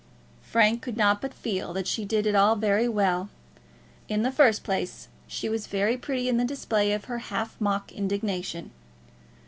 Frank could not but feel that she did it all very well. In the first place she was very pretty in the display of her half mock indignation.